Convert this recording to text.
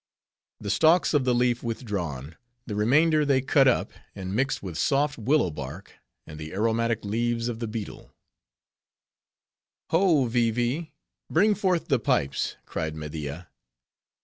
The stalks of the leaf withdrawn, the remainder they cut up, and mixed with soft willow bark, and the aromatic leaves of the Betel. "Ho! Vee Vee, bring forth the pipes," cried Media.